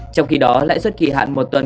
trong khi đó lãi suất kỳ hạn một tuần